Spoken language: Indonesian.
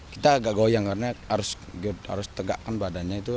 kita agak goyang karena harus tegakkan badannya itu